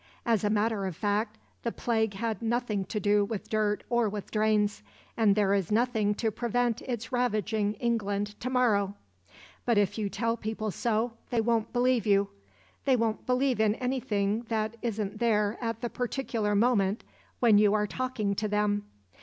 As a matter of fact the Plague had nothing to do with dirt or with drains; and there is nothing to prevent its ravaging England to morrow. But if you tell people so, they won't believe you. They won't believe in anything that isn't there at the particular moment when you are talking to them.